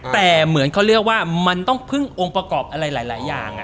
แต่เหมือนเขาเรียกว่ามันต้องพึ่งองค์ประกอบอะไรหลายอย่าง